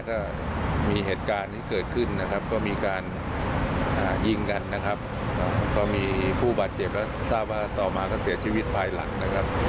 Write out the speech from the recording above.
ก็มีเหตุการณ์ที่เกิดขึ้นนะครับก็มีการยิงกันนะครับก็มีผู้บาดเจ็บแล้วทราบว่าต่อมาก็เสียชีวิตภายหลังนะครับ